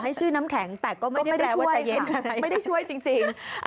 ต่อให้ชื่อน้ำแข็งแต่ก็ไม่ได้ช่วยจริง